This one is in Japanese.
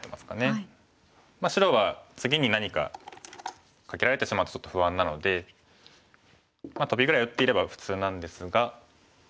白は次に何かカケられてしまうとちょっと不安なのでまあトビぐらい打っていれば普通なんですが。